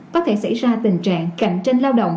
có thể xảy ra tình trạng cạnh tranh lao động